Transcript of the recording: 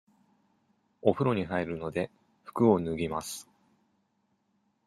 おふろに入るので、服を脱ぎます。